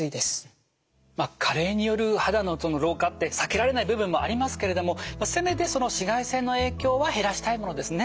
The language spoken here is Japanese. まあ加齢による肌の老化って避けられない部分もありますけれどもせめてその紫外線の影響は減らしたいものですね。